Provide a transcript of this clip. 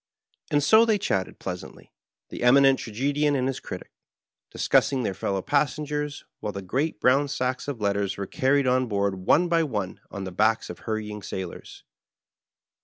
And so they chatted pleasantly, the Eminent Trage^ dian and his Critic, discussing their fellow passengers, while the great brown sacks of letters were carried on board one by one on the backs of hurrying sailors.